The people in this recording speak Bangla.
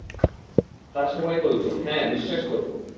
তারা সবাই বললঃ হ্যাঁ, বিশ্বাস করব।